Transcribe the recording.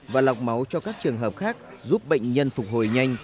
và lọc máu cho các trường hợp khác giúp bệnh nhân phục hồi nhanh